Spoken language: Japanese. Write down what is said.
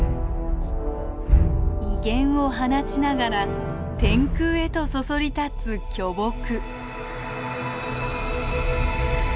威厳を放ちながら天空へとそそり立つ巨木。